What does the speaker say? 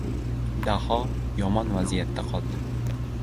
Daho yomon vaziyatda qoldi.